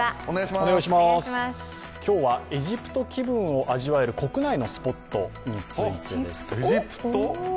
今日はエジプト気分を味わえる国内のスポットについてです。